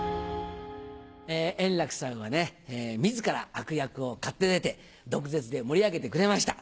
円楽さんはね、みずから悪役をかって出て、毒舌で盛り上げてくれました。